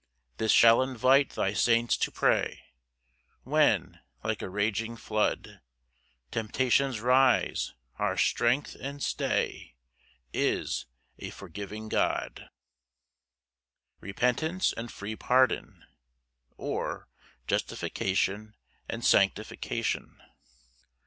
6 This shall invite thy saints to pray, When, like a raging flood, Temptations rise, our strength and stay Is a forgiving God. Psalm 32:3. L. M. Repentance and free pardon; or, Justification and sanctification.